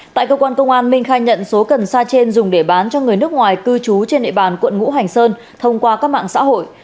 tại cơ quan công an minh khai nhận số cần sa trên dùng để bán cho người nước ngoài cư trú trên địa bàn quận ngũ hành sơn thông qua các mạng xã hội